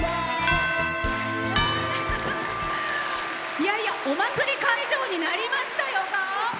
いやいやお祭り会場になりましたよ。